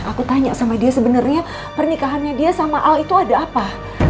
aku tanya sama dia sebenarnya pernikahannya dia sama al itu ada apa